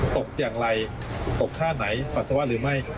ตกอย่างไรตกท่าไหนปัสสาวะหรือไม่